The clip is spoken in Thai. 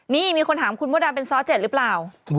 นี่มีคนถามคุณมดดำเป็นซ้อ๗หรือเปล่า